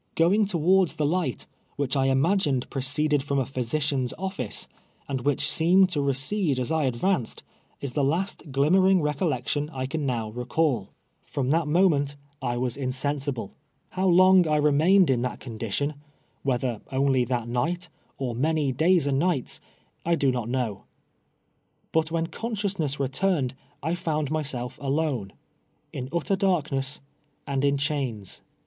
Going towards the light, which I imagined proceed ed from a physician's office, and which seemed tore cede as I advanced, is the last glimmering recollec tion I can now recall. From that moment I was 33 t'.vel\t; ykap.s a slaa'e. in<oiHil)li\ irii'.vloiiL!: I reniaiiRMl in that condition —• ^vla't!n.'^ only that iii^^'ht, or many days and niii hts —• I do not know; 1)nt when C()nseiou.snGss vetnrned, I found niysi'lf alone, in utter (hii'kness, and in cliains.